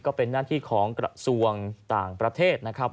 ก็เป็นหน้าที่ของกระทรวงต่างประเทศนะครับ